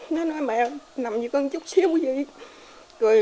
nó nói mẹ nằm với con chút xíu bây giờ